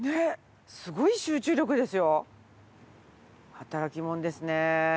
働き者ですね。